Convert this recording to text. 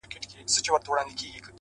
زما له زړه څخه غمونه ولاړ سي!